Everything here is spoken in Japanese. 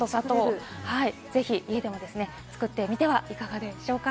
ぜひ家でも作ってみてはいかがでしょうか。